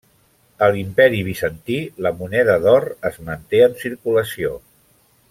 A l'Imperi Bizantí, la moneda d'or es manté en circulació.